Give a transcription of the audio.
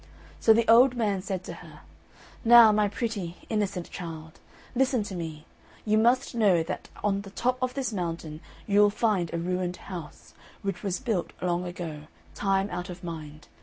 So the old man said to her, "Now, my pretty, innocent child, listen to me. You must know that on the top of this mountain you will find a ruined house, which was built long ago, time out of mind.